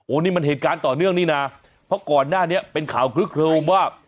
นี่มันเหตุการณ์ต่อเนื่องนี่นะเพราะก่อนหน้านี้เป็นข่าวคลึกโครมว่า